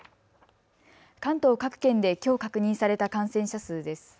関東各県できょう確認された感染者数です。